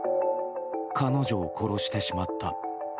彼女を殺してしまった。